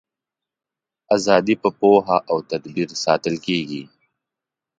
ازادي په پوهه او تدبیر ساتل کیږي.